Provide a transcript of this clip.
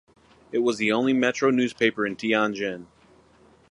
It was the only metro newspaper in Tianjin.